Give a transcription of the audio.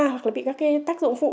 hoặc là bị các tác dụng phụ